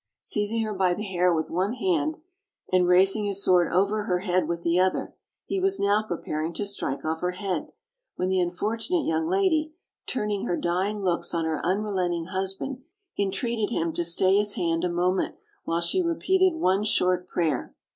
Seizing her by the hair with one hand, and raising his sword over her head with the other, he was now prepar ing to strike off her head, when the unfortunate young lady, turning her dying looks on her unrelenting hus band, entreated him to stay his hand a moment while she repeated one short prayer.